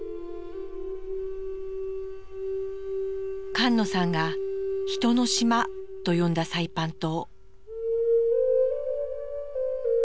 菅野さんが「他人の島」と呼んだサイパン島。